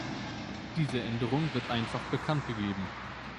Diese Änderung wird einfach bekannt gegeben.